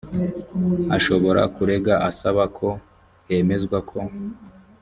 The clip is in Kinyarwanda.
ashobora kurega asaba ko hemezwa ko